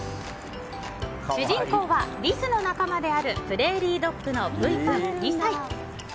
主人公はリスの仲間であるプレーリードッグのブイ君、２歳。